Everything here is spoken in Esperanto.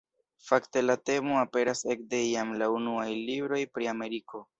Fakte la temo aperas ekde jam la unuaj libroj pri Ameriko.